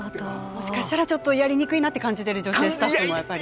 もしかしたらちょっとやりにくいなって感じてる女性スタッフもやっぱり。